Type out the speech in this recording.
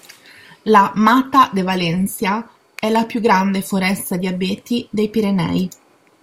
La "Mata de Valencia" è la più grande foresta di abeti dei Pirenei.